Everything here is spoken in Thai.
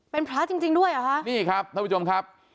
เป็นพระจริงจริงด้วยเหรอฮะนี่ครับท่านผู้ชมครับ